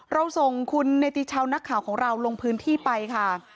เราส่งคุณเนติชาวนักข่าวของเราลงพื้นที่ไปค่ะ